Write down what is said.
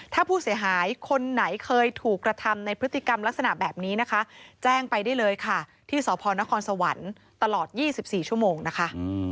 ถ้าผู้เสียหายคนไหนเคยถูกกระทำในพฤติกรรมลักษณะแบบนี้นะคะแจ้งไปได้เลยค่ะที่สพนครสวรรค์ตลอด๒๔ชั่วโมงนะคะ